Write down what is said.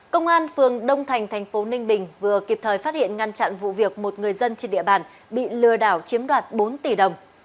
công an phường đông thành thành phố ninh bình vừa kịp thời phát hiện ngăn chặn vụ việc một người dân trên địa bàn bị lừa đảo chiếm đoạt bốn tỷ đồng